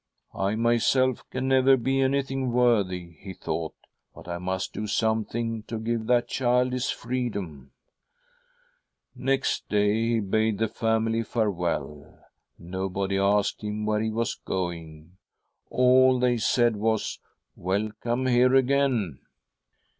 ' I myself can never be anything worthy,' he thought ;' but I must do something to give that child his freedom.' " Next day he bade the family farewell. Nobody asked him where he was going— all they said was :' Welcome here again